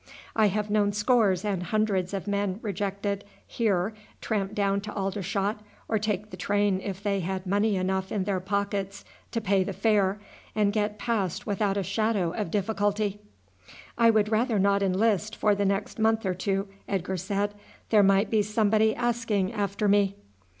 I have known scores and hundreds of men rejected here tramp down to Aldershot, or take the train if they had money enough in their pockets to pay the fare, and get passed without a shadow of difficulty." "I would rather not enlist for the next month or two," Edgar said; "there might be somebody asking after me."